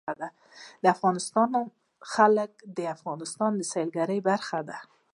د افغانستان جلکو د افغانستان د سیلګرۍ برخه ده.